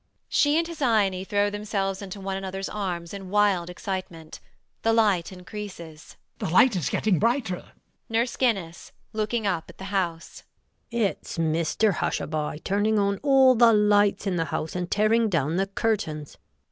She and Hesione throw themselves into one another's arms in wild excitement. The light increases. MAZZINI [anxiously]. The light is getting brighter. NURSE GUINNESS [looking up at the house]. It's Mr Hushabye turning on all the lights in the house and tearing down the curtains.